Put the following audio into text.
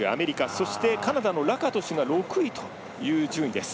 そしてカナダのラカトシュが６位という順位です。